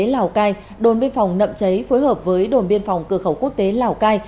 lào cai đồn biên phòng nậm cháy phối hợp với đồn biên phòng cửa khẩu quốc tế lào cai